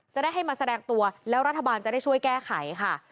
จะได้ให้มาแสดงตัวแล้วรัฐบาลจะได้ช่วยแก้ไขค่ะ